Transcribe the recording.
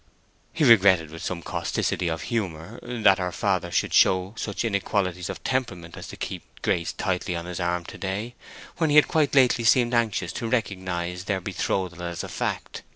He regretted, with some causticity of humor, that her father should show such inequalities of temperament as to keep Grace tightly on his arm to day, when he had quite lately seemed anxious to recognize their betrothal as a fact.